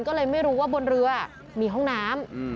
ก็เลยไม่รู้ว่าบนเรือมีห้องน้ำ